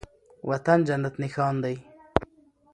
وطن جنت نښان دی